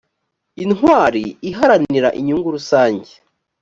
intwari iharanira inyungu rusange.